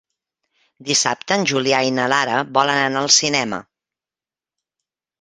Dissabte en Julià i na Lara volen anar al cinema.